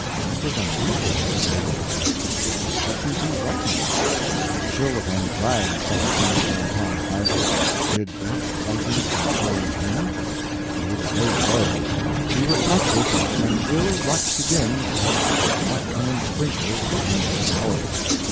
That was unusual at this late hour. What could he be writing? A chill of anxiety settled down upon Tom's heart. Did that writing concern him? He was afraid so. He reflected that when ill luck begins, it does not come in sprinkles, but in showers.